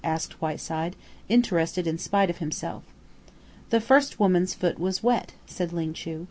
asked Whiteside, interested in spite of himself. "The first woman's foot was wet," said Ling Chu.